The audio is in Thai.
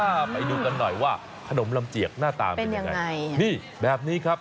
ไปดูกันหน่อยว่าขนมลำเจียกหน้าตาเป็นยังไงใช่นี่แบบนี้ครับ